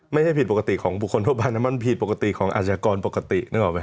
ไม่ใช่ผิดปกติของบุคคลทั่วไปมันผิดปกติของอาชญากรปกติ